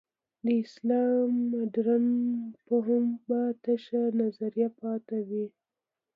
د اسلام مډرن فهم به تشه نظریه پاتې وي.